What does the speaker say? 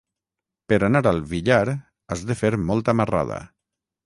Per anar al Villar has de fer molta marrada.